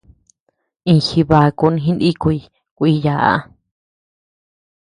Iña jibaku jinikuy kuíyaa.